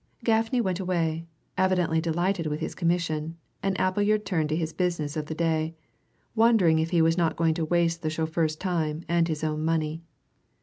Gaffney went away, evidently delighted with his commission, and Appleyard turned to his business of the day, wondering if he was not going to waste the chauffer's time and his own money.